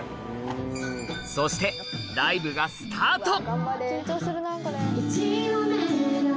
そしてライブがスタート